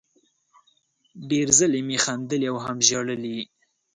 ډېر ځلې مې خندلي او هم ژړلي